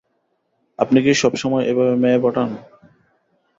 আপনি কি সবসময় এভাবে মেয়ে পটান?